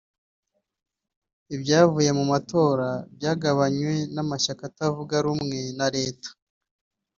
Ibyavuye mu matora byamaganywe n’amashyaka atavuga rumwe na leta